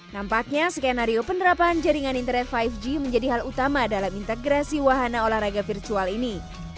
nampaknya skenario penerapan jaringan internet lima g menjadi hal utama dalam integrasi wahana olahraga virtual ini